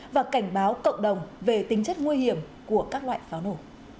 và cảnh báo cộng đồng về tính chất nguy hiểm của các loại pháo nổ